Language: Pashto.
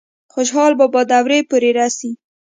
خوشحال بابا دور پورې رسي ۔